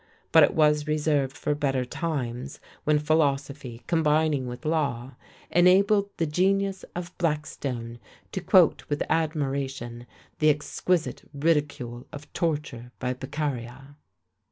But it was reserved for better times, when philosophy combining with law, enabled the genius of Blackstone to quote with admiration the exquisite ridicule of torture by Beccaria.